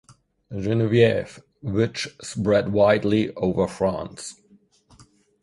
Genevieve, which spread widely over France.